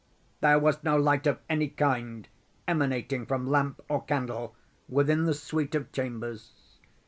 There was no light of any kind emanating from lamp or candle within the suite of chambers.